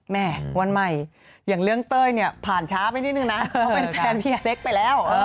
แม่วันใหม่อย่างเรื่องเต้ยเนี่ยผ่านช้าไปนิดนึงนะเพราะเป็นแฟนพี่อเล็กไปแล้ว